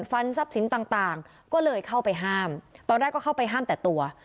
ฟันทรัพย์สินต่างก็เลยเข้าไปห้ามตอนแรกก็เข้าไปห้ามแต่ตัว